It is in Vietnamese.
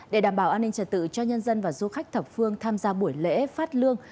để đảm bảo an ninh trật tự cho nhân dân và du khách thập phương tham gia buổi lễ phát lương